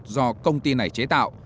do công ty này chế tạo